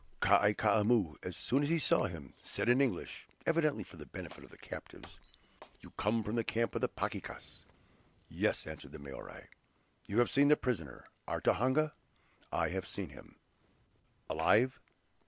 Kai Koumou, as soon as he saw him, said in English, evidently for the benefit of the captives: "You come from the camp of the Pakekas?" "Yes," answered the Maori. "You have seen the prisoner, our Tohonga?" "I have seen him." "Alive?"